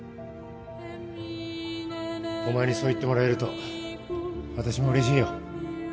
お前にそう言ってもらえると私もうれしいよ